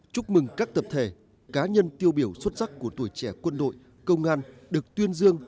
chúc mừng các tập thể cá nhân tiêu biểu xuất sắc của tuổi trẻ quân đội công an được tuyên dương